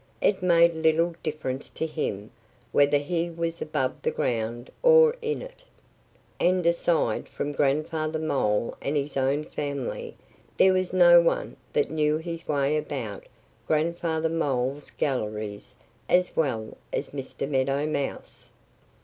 It made little difference to him whether he was above the ground or in it. And aside from Grandfather Mole and his own family there was no one that knew his way about Grandfather Mole's galleries as well as Mr. Meadow Mouse.